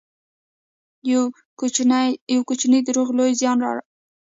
یو کوچنی دروغ لوی زیان راولي.